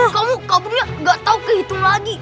kamu kaburnya gak tahu kehitung lagi